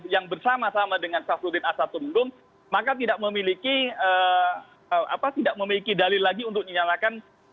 yang bersama sama dengan safrudin asyat tumenggung maka tidak memiliki dalil lagi untuk dinyatakan